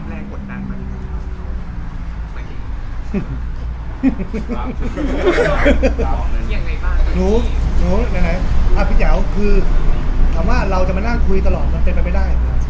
ให้ความที่เหลือทางหมายถึงยังไงคะ